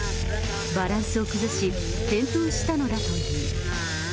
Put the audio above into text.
バランスを崩し、転倒したのだという。